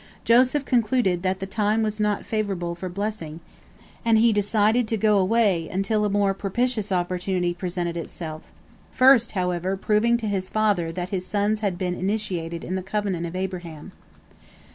Joseph concluded that the time was not favorable for blessing, and he decided to go away until a more propitious opportunity presented itself, first, however, proving to his father that his sons had been initiated in the covenant of Abraham.